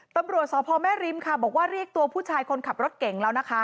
ตำรวจสพแม่ริมค่ะบอกว่าเรียกตัวผู้ชายคนขับรถเก่งแล้วนะคะ